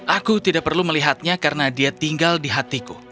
aku tidak perlu melihatnya karena dia tinggal di hatiku